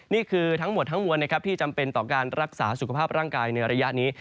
นี่คือทั้งหมดทั้งมวลนะครับที่จำเป็นต่อการรักษาสุขภาพร่างกายในระยะนี้